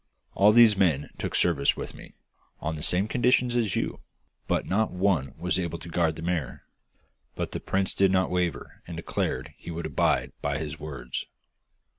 all those men took service with me, on the same conditions as you, but not one was able to guard the mare!' But the prince did not waver, and declared he would abide by his words.